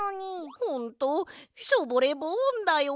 ほんとショボレボンだよ。